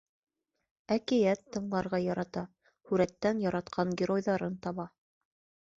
Әкиәт тыңларға ярата, һүрәттән яратҡан геройҙарын таба.